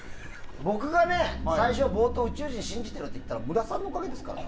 僕が冒頭宇宙人を信じているって言ったのは武良さんのおかげですから。